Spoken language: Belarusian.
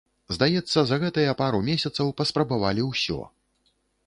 Здаецца за гэтыя пару месяцаў паспрабавалі ўсё.